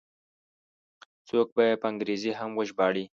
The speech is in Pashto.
څوک به یې په انګریزي هم وژباړي.